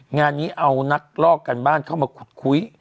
งานนี้เอานักลอกกันบ้านเข้ามาขุดคุย